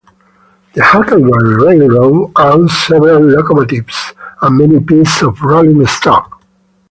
The Huckleberry Railroad owns several locomotives and many pieces of rolling stock.